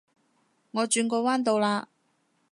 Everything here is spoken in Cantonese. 我轉個彎到啦